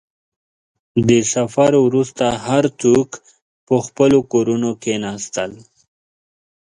• د سفر وروسته، هر څوک په خپلو کورونو کښېناستل.